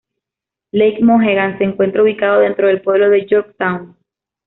Lake Mohegan se encuentra ubicado dentro del pueblo de Yorktown.